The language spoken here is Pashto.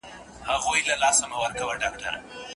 هغوی له بدو خلګو سره ملګرتیا نه کوي.